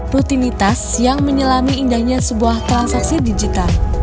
rutinitas yang menyelami indahnya sebuah transaksi digital